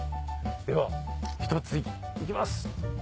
では１つ行きます。